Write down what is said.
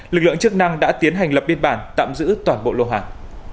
lực lượng chức năng đã tiến hành lập biên bản tạm giữ toàn bộ lô hàng